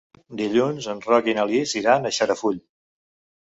Dilluns en Roc i na Lis iran a Xarafull.